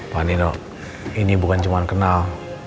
pak nino ini bukan cuma kenal